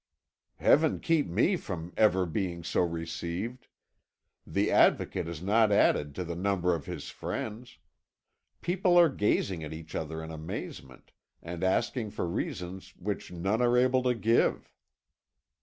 "Heaven keep me from ever being so received! The Advocate has not added to the number of his friends. People are gazing at each other in amazement, and asking for reasons which none are able to give."